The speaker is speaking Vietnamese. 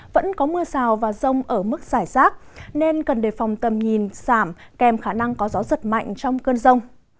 vẫn có mưa rào và rông ở mức giải rác nên cần đề phòng tầm nhìn giảm kèm khả năng có gió giật mạnh trong cơn rông